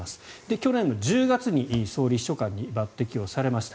去年１０月に総理秘書官に抜てきされました。